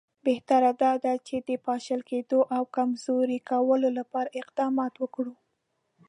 بهتره دا ده چې د پاشل کېدلو او کمزوري کولو لپاره اقدامات وکړو.